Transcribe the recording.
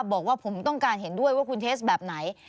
บอกว่าผมต้องการเห็นด้วยว่าคุณเทสแบบไหน